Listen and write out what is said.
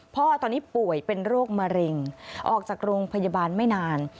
พ่อตอนนี้ป่วยเป็นโรคมะเร็งออกจากโรงพยาบาลไม่นาน